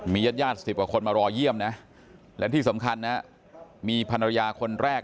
มีญาติคนมารอเยี่ยมและที่สำคัญมีภรรยาคนแรก